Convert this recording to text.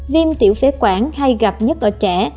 viêm tiểu phế quản hay gặp nhất ở trẻ